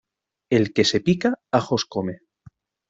El que se pica ajos come.